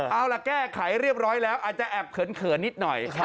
เอาล่ะแก้ไขเรียบร้อยแล้วอาจจะแอบเขินนิดหน่อย